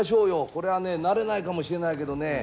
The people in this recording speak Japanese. これはね慣れないかもしれないけどね